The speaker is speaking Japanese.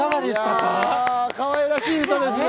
かわいらしい歌ですね。